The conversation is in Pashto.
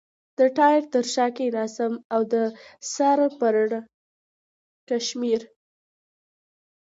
د ټایر تر شا کېناست او د سر پړکمشر.